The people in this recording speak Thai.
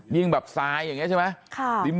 ยิ่งแบบทรายอย่างนี้ใช่ไหม